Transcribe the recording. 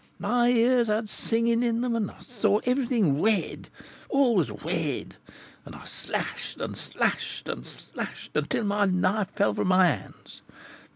My ears had singing in them, and I saw everything red, all was red; and I slashed, and slashed, and slashed, until my knife fell from my hands!